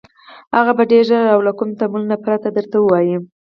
هغه به ډېر ژر او له كوم تأمل نه پرته درته ووايي: